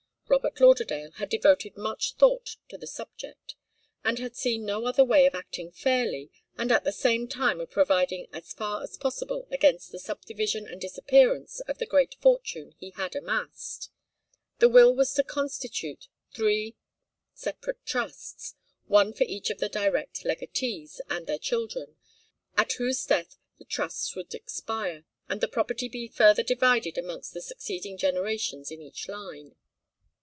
Robert Lauderdale had devoted much thought to the subject, and had seen no other way of acting fairly and at the same time of providing as far as possible against the subdivision and disappearance of the great fortune he had amassed. The will was to constitute three separate trusts, one for each of the direct legatees and their children, at whose death the trusts would expire, and the property be further divided amongst the succeeding generations in each line.